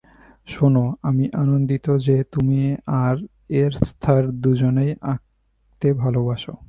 শোনো, আমি আনন্দিত যে তুমি আর এস্থার দুজনেই আঁকতে ভালবাসো।